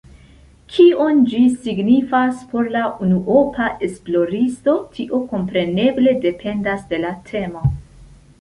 Kion ĝi signifas por la unuopa esploristo, tio kompreneble dependas de la temo.